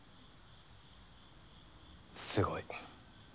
すごい。